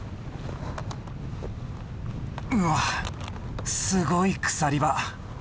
うわすごい鎖場。